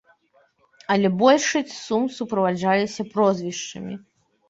Але большасць сум суправаджаліся прозвішчамі.